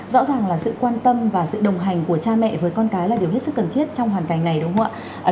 rõ ràng là sự quan tâm và sự đồng hành của cha mẹ với con cái là điều hết sức cần thiết trong hoàn cảnh này đúng không ạ